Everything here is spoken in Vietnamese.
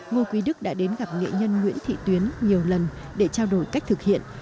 ngô quý đức đã đến gặp nghệ nhân nguyễn thị tuyến nhiều lần để trao đổi cách thực hiện